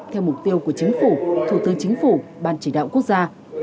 theo mục tiêu của chính phủ thủ tướng chính phủ ban chỉ đạo quốc gia